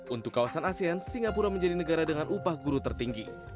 untuk kawasan asean singapura menjadi negara dengan upah guru tertinggi